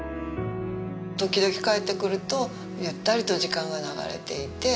時々帰ってくるとゆったりと時間が流れていて。